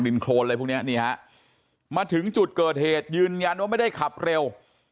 โครนอะไรพวกนี้นี่ฮะมาถึงจุดเกิดเหตุยืนยันว่าไม่ได้ขับเร็ว